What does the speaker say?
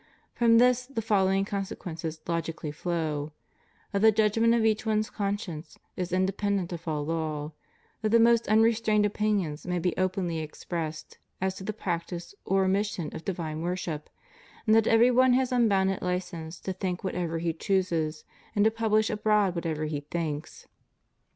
From this the following consequences logically flow: that the judg ment of each one's conscience is independent of all law; that the most unrestrained opinions may be openly ex pressed as to the practice or omission of divine worship; and that every one has unbounded hcense to think what ever he chooses and to publish abroad whatever he thinks.